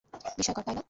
বিস্ময়কর, তাই না?